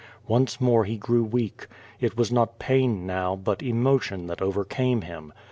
Once more he grew weak. It was not pain now, but emotion that overcame him.